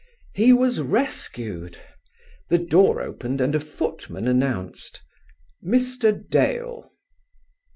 He was rescued. The door opened and a footman announced: "Mr. Dale."